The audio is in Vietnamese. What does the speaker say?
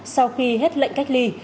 sau khi hết lệnh cách ly